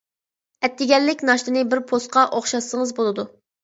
ئەتىگەنلىك ناشتىنى بىر پوسقا ئوخشاتسىڭىز بولىدۇ.